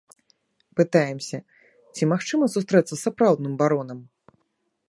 Пытаемся, ці магчыма сустрэцца з сапраўдным баронам.